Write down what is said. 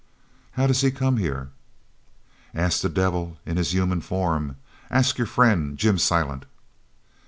"How does he come here?" "Ask the devil in his human form! Ask your friend, Jim Silent!"